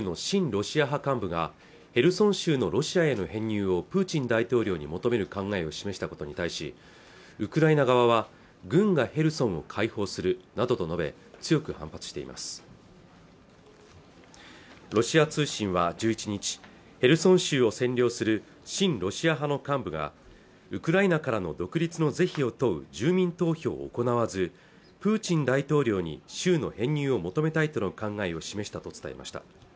ロシア派幹部がヘルソン州のロシアへの編入をプーチン大統領に求める考えを示したことに対しウクライナ側は軍がヘルソンも解放するなどと述べ強く反発していますロシア通信は１１日ヘルソン州を占領する親ロシア派の幹部がウクライナからの独立の是非を問う住民投票を行わずプーチン大統領に州の編入を求めたいとの考えを示したと伝えました